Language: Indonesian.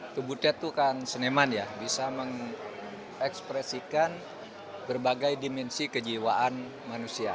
kebute itu kan seniman ya bisa mengekspresikan berbagai dimensi kejiwaan manusia